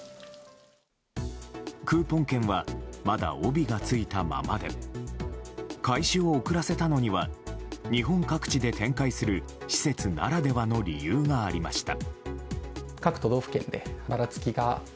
クーポン券はまだ帯がついたままで開始を遅らせたのには日本各地で展開する施設ならではの理由がありました。